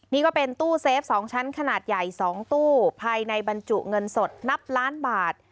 นี่ก็เป็นตู้เซฟ๒ชั้นขนาดใหญ่๒ตู้ภายในบรรจุเงินสดนับล้านบาท